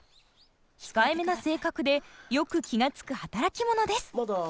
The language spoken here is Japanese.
控えめな性格でよく気が付く働き者です。